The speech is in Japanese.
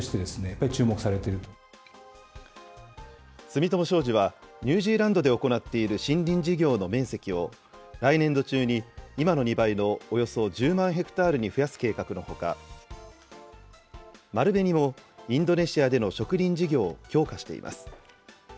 住友商事は、ニュージーランドで行っている森林事業の面積を、来年度中に今の２倍のおよそ１０万ヘクタールに増やす計画のほか、丸紅もインドネシアでの植林事業を強化しています。